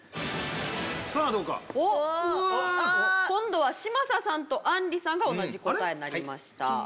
今度は嶋佐さんとあんりさんが同じ答えになりました。